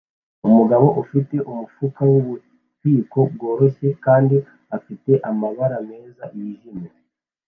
Umugore ufite umufuka wububiko bworoshye kandi afite amabara meza yijimye